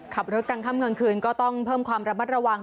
ขับรถกลางค่ำกลางคืนก็ต้องเพิ่มความระมัดระวัง